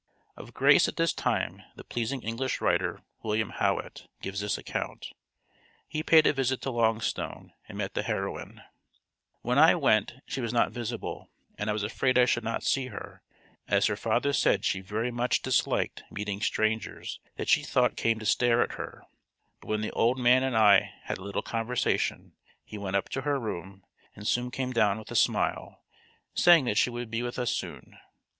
Of Grace at this time the pleasing English writer, William Howitt, gives this account. He paid a visit to Longstone and met the heroine: "When I went she was not visible, and I was afraid I should not see her, as her father said she very much disliked meeting strangers that she thought came to stare at her; but when the old man and I had had a little conversation he went up to her room, and soon came down with a smile, saying that she would be with us soon.